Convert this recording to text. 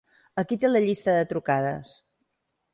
Aquí té la llista de trucades:.